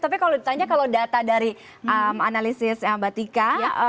tapi kalau ditanya kalau data dari analisis mbak tika